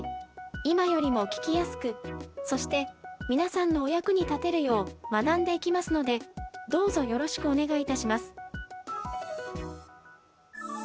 今よりも聞きやすく、そして皆さんのお役に立てるよう学んでいきますのでどうぞよろしくお願いいたします。